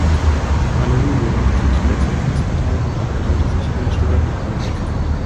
Anneli wurde Mitglied der Zentrumspartei und engagierte sich in der Studentenpolitik.